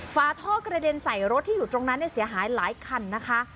ฝาท่อกระเด็นใส่รถที่อยู่ตรงนั้นเสียหายหลายคันนะคะ